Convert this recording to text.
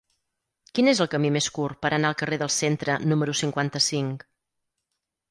Quin és el camí més curt per anar al carrer del Centre número cinquanta-cinc?